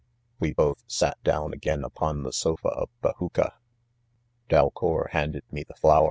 We both s&t down again upon the sofc. of iajuca j Dalcour handed me the flowe?